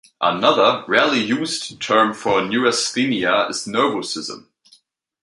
Another, rarely used, term for neurasthenia is nervosism.